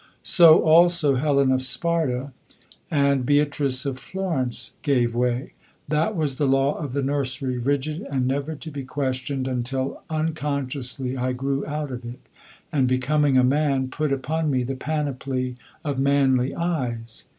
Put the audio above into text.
So also Helen of Sparta and Beatrice of Florence gave way. That was the law of the nursery, rigid and never to be questioned until unconsciously I grew out of it, and becoming a man, put upon me the panoply of manly eyes.